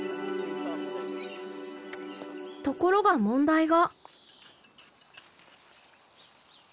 ところが問題が。